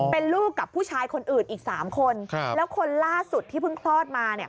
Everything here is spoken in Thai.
เป็นลูกกับผู้ชายคนอื่นอีก๓คนแล้วคนล่าสุดที่เพิ่งคลอดมาเนี่ย